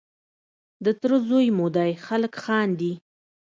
د تره زوی مو دی خلک خاندي.